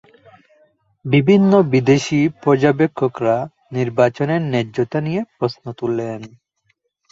বিভিন্ন বিদেশী পর্যবেক্ষকরা নির্বাচনের ন্যায্যতা নিয়ে প্রশ্ন তোলেন।